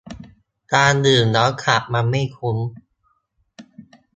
การดื่มแล้วขับมันไม่คุ้ม